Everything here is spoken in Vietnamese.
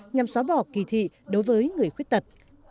nhằm xóa bỏ kỳ thị đối với người khuyết tật